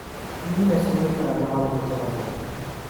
Mimi la souris est un adorable petit rongeur.